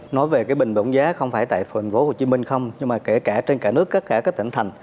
nói về cái bình ổn giá không phải tại tp hcm không nhưng mà kể cả trên cả nước tất cả các tỉnh thành